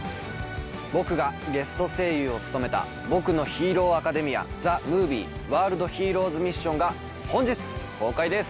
僕がゲスト声優を務めた『僕のヒーローアカデミアＴＨＥＭＯＶＩＥワールドヒーローズミッション』が本日公開です。